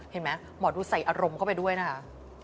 เห็นไหมหมอดูใส่อารมณ์เข้าไปด้วยนะคะ